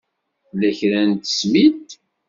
Tella kra n tesmilt?